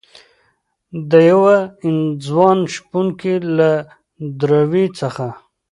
دیوه ځوان شپونکي له دروي څخه